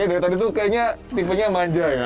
dari tadi tuh kayaknya tipenya manja ya